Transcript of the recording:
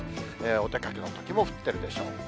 お出かけのときも降ってるでしょう。